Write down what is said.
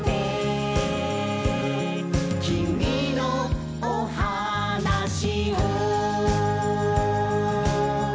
「きみのおはなしを」